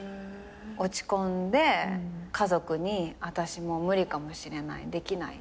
落ち込んで家族にあたしもう無理かもしれないできない